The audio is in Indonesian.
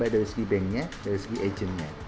dari segi banknya dari segi agentnya